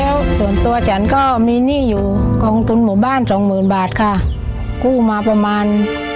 แล้วส่วนตัวฉันก็มีหนี้อยู่กองทุนหมู่บ้านสองหมื่นบาทค่ะกู้มาประมาณ